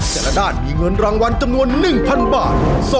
แต่ละด้านมีเงินรางวัลจำนวน๑๐๐บาท